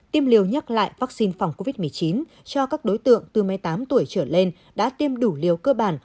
tiêm liêu nhắc lại vắc xin phòng covid một mươi chín cho các đối tượng từ một mươi tám tuổi trở lên đã tiêm đủ liêu cơ bản